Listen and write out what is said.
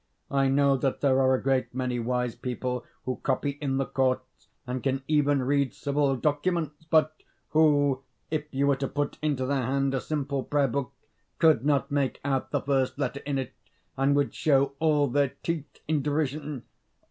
I know that there are a great many wise people who copy in the courts, and can even read civil documents, but who, if you were to put into their hand a simple prayer book, could not make out the first letter in it, and would show all their teeth in derision.